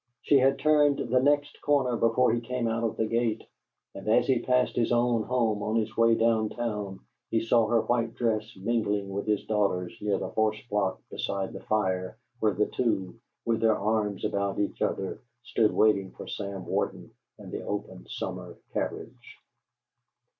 She had turned the next corner before he came out of the gate; and as he passed his own home on his way down town, he saw her white dress mingling with his daughter's near the horse block beside the fire, where the two, with their arms about each other, stood waiting for Sam Warden and the open summer carriage.